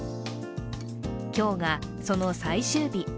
今日がその最終日。